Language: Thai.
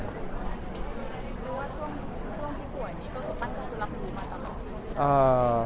อเรนนี่หรือว่าช่วงที่ป่วยนี้ก็ผันกันรับรู้มาต่อหรอ